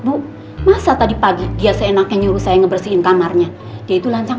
bu masa tadi pagi dia seenaknya nyuruh saya ngebersihin kamarnya dia itu lancar